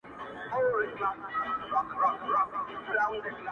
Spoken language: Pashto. سيدې يې نورو دې څيښلي او اوبه پاتې دي؛